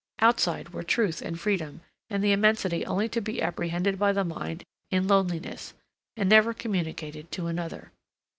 Outside were truth and freedom and the immensity only to be apprehended by the mind in loneliness, and never communicated to another.